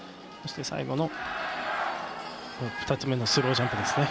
そして、最後の２つ目のスロージャンプ。